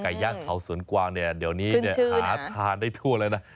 ไก่ย่างเขาสวนกว้างเดี๋ยวนี้หาทานได้ทั่วเลยนะ